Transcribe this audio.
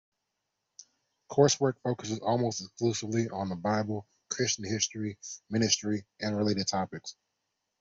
Coursework focuses almost exclusively on the Bible, Christian History, ministry and related topics.